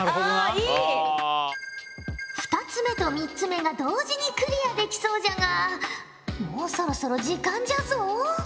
２つ目と３つ目が同時にクリアできそうじゃがもうそろそろ時間じゃぞ。